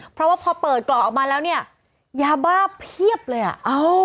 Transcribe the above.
เพราะว่าพอเปิดกล่องออกมาแล้วเนี่ยยาบ้าเพียบเลยอ่ะ